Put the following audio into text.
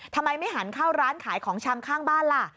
ทำไมไม่หันเข้าร้านขายของชำข้างบ้านล่ะ